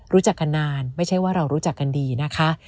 รู้จักกันนานไม่ใช่ว่าเรารู้จักกันดีนะคะ